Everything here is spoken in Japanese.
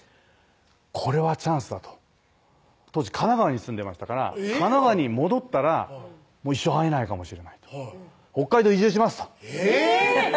これはチャンスだと当時神奈川に住んでましたから神奈川に戻ったらもう一生会えないかもしれないと「北海道移住します」とえぇ⁉